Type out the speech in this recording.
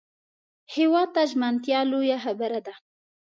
هېواد ته ژمنتیا لویه خبره ده